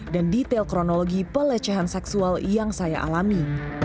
dan detail kronologi pelecehan seksual yang saya alami